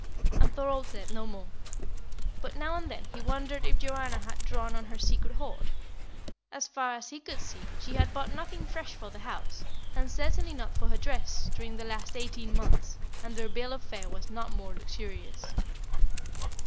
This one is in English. And Thorold said no more. But now and then he wondered if Joanna had drawn on her secret hoard. As far as he could see she had bought nothing fresh for the house, and certainly not for her dress, during the last eighteen months, and their bill of fare was not more luxurious.